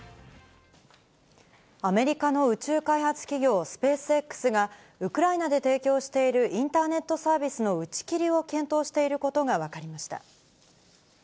アメリカの宇宙開発企業、スペースＸが、ウクライナで提供しているインターネットサービスの打ち切りを検討していることが分かりました。